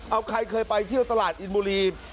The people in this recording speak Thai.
เอาใครเคยไปเที่ยวตลาดอินบุรี